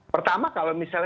pertama kalau misalnya